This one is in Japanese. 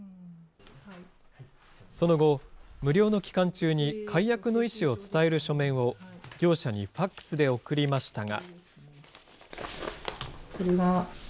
その後、無料の期間中に解約の意思を伝える書面を業者にファックスで送りましたが。